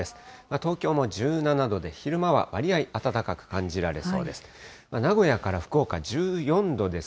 東京も１７度で昼間は割合、暖かく感じられそうです。